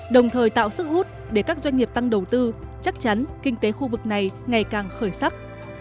đồng thời tạo sức hút để các doanh nghiệp tăng đầu tư chắc chắn kinh tế khu vực này ngày càng khởi sắc